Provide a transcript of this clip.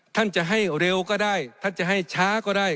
ท่านจะให้เร็วก็ได้ท่านจะให้ช้าก็ได้